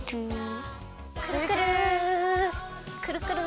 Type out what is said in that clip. くるくるくるくる。